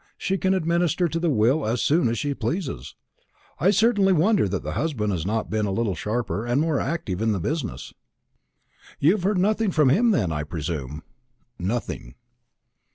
She can administer to the will as soon as she pleases. I certainly wonder that the husband has not been a little sharper and more active in the business." "You have heard nothing of him, then, I presume?" "Nothing."